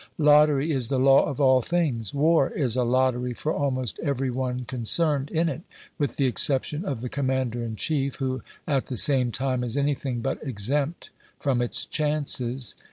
OBERMANN 195 Lottery is the law of all things. War is a lottery for almost every one concerned in it, with the exception of the commander in chief, who at the same time is anything but exempt from its chances.